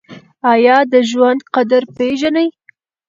ایا د ژوند قدر پیژنئ؟